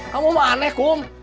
kamu mah aneh kum